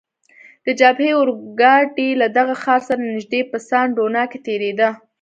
د جبهې اورګاډی له دغه ښار سره نږدې په سان ډونا کې تیریده.